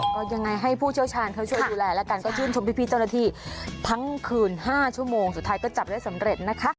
ก็ยังไงให้ผู้เชี่ยวชาญเขาช่วยดูแลแล้วกันก็ชื่นชมพี่เจ้าหน้าที่ทั้งคืน๕ชั่วโมงสุดท้ายก็จับได้สำเร็จนะคะ